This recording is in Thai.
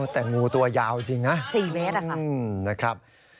แต่งูตัวยาวจริงนะ๔เมตรนะครับ